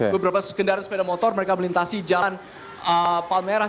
beberapa kendaraan sepeda motor mereka melintasi jalan palmerah